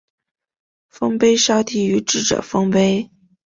丰碑稍低于智者丰碑。